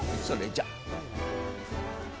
それじゃ。